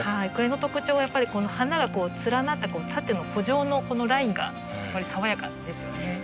これの特徴はやっぱりこの花が連なった縦の穂状のこのラインがやっぱり爽やかですよね。